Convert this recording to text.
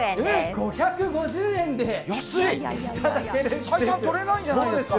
５５０円です。